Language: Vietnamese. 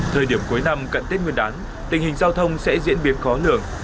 thời điểm cuối năm cận tết nguyên đán tình hình giao thông sẽ diễn biến khó lường